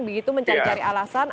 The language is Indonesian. begitu mencari cari alasan